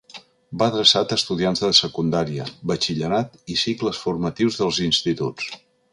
Va adreçat a estudiants de secundària, batxillerat i cicles formatius dels instituts.